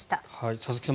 佐々木さん